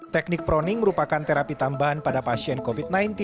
teknik proning merupakan terapi tambahan pada pasien covid sembilan belas